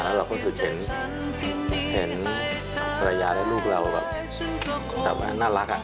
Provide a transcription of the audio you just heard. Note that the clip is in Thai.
แล้วเรารู้สึกเห็นภรรยาและลูกเราแบบน่ารักอะ